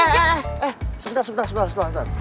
eh eh eh eh eh sebentar sebentar sebentar sebentar